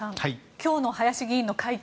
今日の林議員の会見